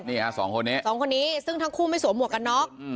สองคนนี้สองคนนี้ซึ่งทั้งคู่ไม่สวมหวกกันน็อก